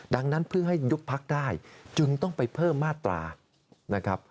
ดังนั้นเพื่อให้ยุบพักได้จึงต้องไปเพิ่มมาตรานะครับ